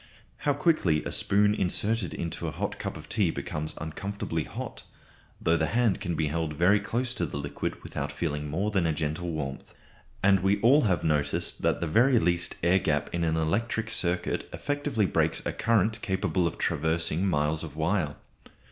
How quickly a spoon inserted into a hot cup of tea becomes uncomfortably hot, though the hand can be held very close to the liquid without feeling more than a gentle warmth. And we all have noticed that the very least air gap in an electric circuit effectively breaks a current capable of traversing miles of wire.